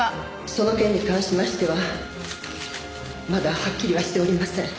その件に関しましてはまだはっきりはしておりません。